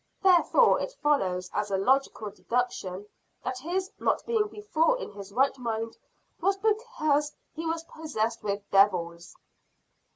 Therefore it follows as a logical deduction, that his not being before in his right mind was because he was possessed with devils."